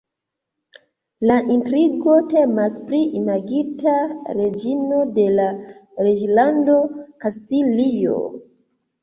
La intrigo temas pri imagita reĝino de la Reĝlando Kastilio.